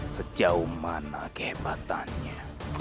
sejauh mana kehebatannya